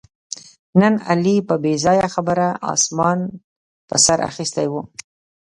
نن علي په بې ځایه خبره اسمان په سر اخیستی و